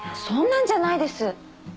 そんなんじゃないです！